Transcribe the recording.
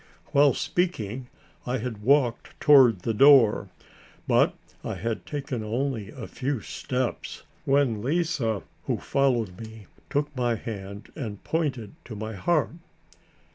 While speaking I had walked towards the door, but I had only taken a few steps when Lise, who followed me, took my hand and pointed to my harp.